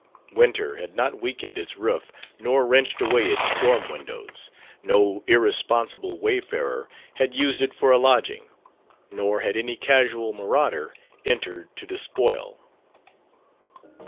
Winter had not weakened its roof nor wrenched away its storm windows; no irresponsible wayfarer had used it for a lodging, nor had any casual marauder entered to despoil.